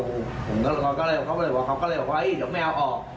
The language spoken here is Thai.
ผมก็เลยบอกเขาก็เลยบอกเฮ้ยเดี๋ยวแมวออก